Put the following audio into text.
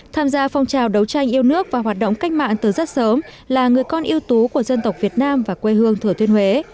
tham gia phong trào đấu tranh yêu nước và hoạt động cách mạng từ rất sớm là người con yêu tú của dân tộc việt nam và quê hương thừa thiên huế